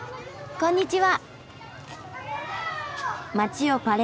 こんにちは。